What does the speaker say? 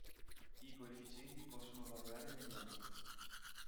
I coefficienti possono variare negli anni.